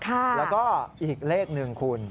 แล้วก็อีกเลขหนึ่งคุณ